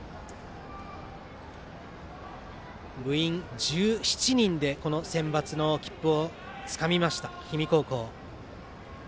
部員１７人で、このセンバツの切符をつかみました、氷見高校。